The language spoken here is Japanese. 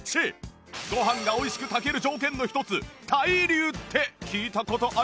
ご飯が美味しく炊ける条件の一つ対流って聞いた事ありますよね？